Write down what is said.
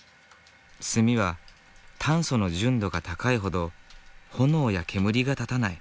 炭は炭素の純度が高いほど炎や煙が立たない。